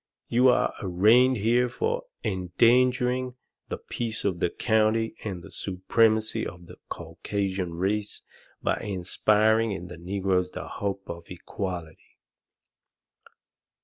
You are arraigned here for endangering the peace of the county and the supremacy of the Caucasian race by inspiring in the negroes the hope of equality."